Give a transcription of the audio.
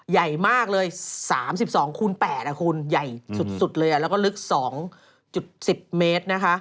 ใหญ่มากเลย๓๒คูณ๘คุณใหญ่สุดเลยแล้วก็ลึก๒๑๐เมตรนะคะ